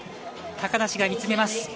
高梨がみつめます。